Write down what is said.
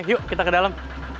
yuk kita ke dalam